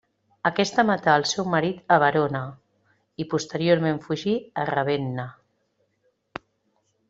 Aquesta matà el seu marit a Verona i posteriorment fugí a Ravenna.